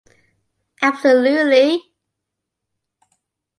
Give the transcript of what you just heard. Absolutely.